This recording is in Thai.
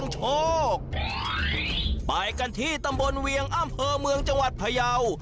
จนเวียงอ้ำเภอเมืองจังหวัดพยาว